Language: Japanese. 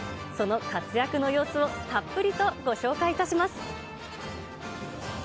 その活躍の様子をたっぷりとご紹介いたします。